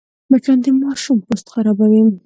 مچان د ماشوم پوست خرابوي